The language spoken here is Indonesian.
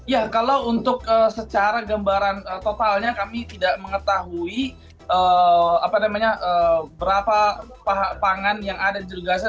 ya kalau untuk secara gambaran totalnya kami tidak mengetahui berapa pangan yang ada di gaza